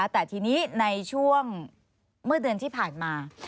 แต่ทีนี้ในช่วงเมื่อเดือนที่ผ่านมา